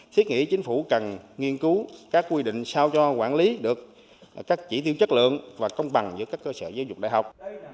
thiết nghĩ chính phủ cần nghiên cứu các quy định sao cho quản lý được các chỉ tiêu chất lượng và công bằng giữa các cơ sở giáo dục đại học